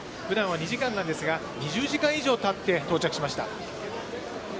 普段は２時間なんですが２０時間以上経って到着しました。